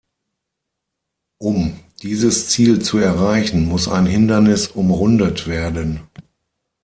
Um dieses Ziel zu erreichen, muss ein Hindernis umrundet werden.